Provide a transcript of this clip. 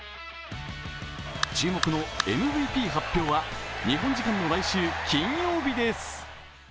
注目のＭＶＰ発表は日本時間の来週金曜日です。